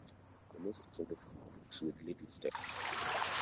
The mistress of the field walks with little steps.